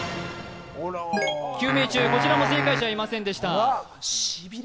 ９名中、こちらも正解者いませんでした。